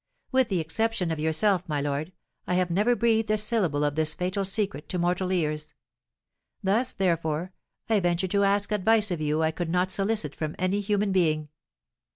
With the exception of yourself, my lord, I have never breathed a syllable of this fatal secret to mortal ears: thus, therefore, I venture to ask advice of you I could not solicit from any human being."